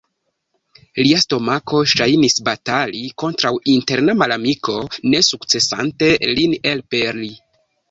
Lia stomako ŝajnis batali kontraŭ interna malamiko, ne sukcesante lin elpeli.